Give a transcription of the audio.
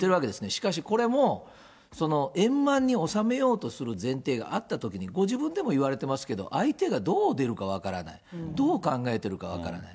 しかしこれも、円満に収めようとする前提があったときに、ご自分でも言われてますけど、相手がどう出るか分からない、どう考えているか分からない。